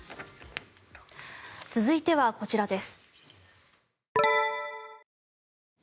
続いては、こちらです。